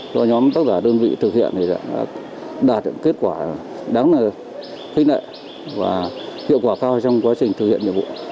do nhóm tác giả đơn vị thực hiện thì đã đạt được kết quả đáng khích lệ và hiệu quả cao trong quá trình thực hiện nhiệm vụ